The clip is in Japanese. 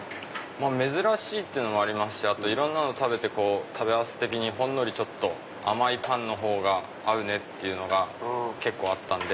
珍しいのもありますしいろんなの食べて食べ合わせ的にほんのり甘いパンの方が合うのが結構あったんで。